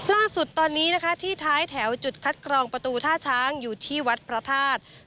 ล่าสุดตอนนี้นะคะที่ท้ายแถวจุดคัดกรองประตูท่าช้างอยู่ที่วัดพระธาตุ